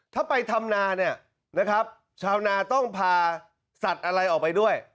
ถ้าไปทำนาเนี่ยนะครับชาวนาต้องพาสัตว์อะไรออกไปด้วย